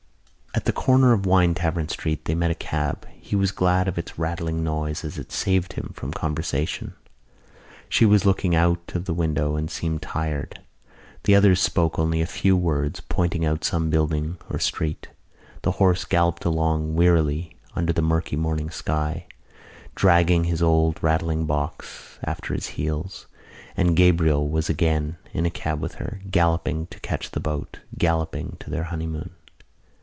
At the corner of Winetavern Street they met a cab. He was glad of its rattling noise as it saved him from conversation. She was looking out of the window and seemed tired. The others spoke only a few words, pointing out some building or street. The horse galloped along wearily under the murky morning sky, dragging his old rattling box after his heels, and Gabriel was again in a cab with her, galloping to catch the boat, galloping to their honeymoon.